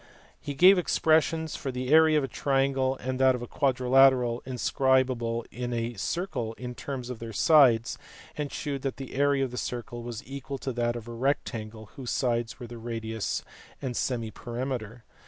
He gave expressions for the area of a triangle and of a quadrilateral inscribable in a circle in terms of their sides ; and shewed that the area of a circle was equal to that of a rectangle whose sides were the radius and semiperimeter.